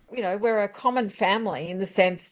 kita adalah keluarga yang berkongsi